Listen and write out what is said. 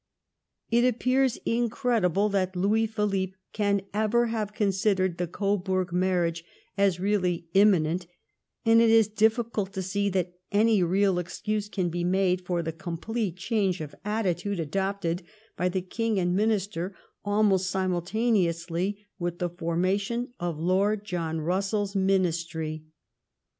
It appears incredible that Louis Philippe can ever have considered the Coburg marriage as really 'immi nent," and it is difficult to see that any real excuse can be made for the complete change of attitude adopted by the King and Minister almost simultaneously with the formation of Lord John Russell's Ministry.